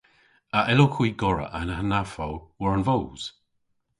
A yllowgh hwi gorra an hanafow war an voos?